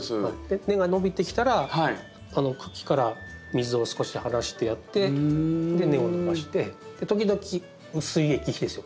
根が伸びてきたら茎から水を少し離してやって根を伸ばして時々薄い液肥ですよ。